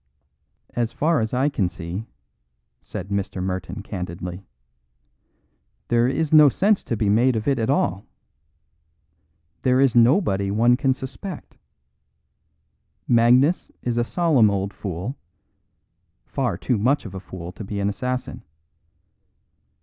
"As far as I can see," said Mr. Merton candidly, "there is no sense to be made of it at all. There is nobody one can suspect. Magnus is a solemn old fool; far too much of a fool to be an assassin.